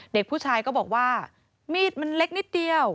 เด็กผู้ชายก็บอกว่ามีดมันเล็กนิดเดียว